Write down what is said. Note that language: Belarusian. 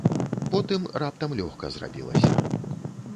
Потым раптам лёгка зрабілася.